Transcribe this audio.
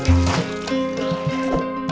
sampai jumpa lagi